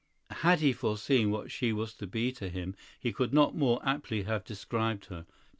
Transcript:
Had he foreseen what she was to be to him, he could not more aptly have described her.